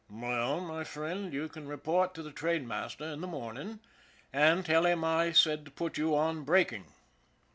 " Well, my friend, you can report to the trainmaster in the morning and tell him I said to put you on breaking.